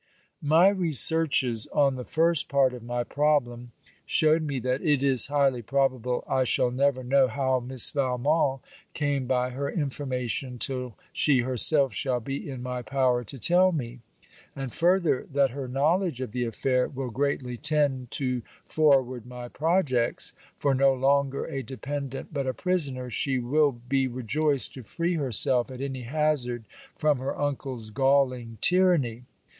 My researches on the first part of my problem showed me that it is highly probable I shall never know how Miss Valmont came by her information till she herself shall be in my power to tell me; and further that her knowledge of the affair will greatly tend to forward my projects, for no longer a dependent but a prisoner she will be rejoiced to free herself at any hazard from her uncle's galling tyranny.